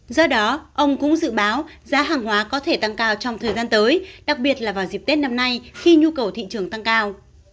do đó ông cũng dự báo giá hàng hóa có thể tăng cao trong thời gian tới đặc biệt là vào dịp tết năm nay khi nhu cầu thị trường tăng cao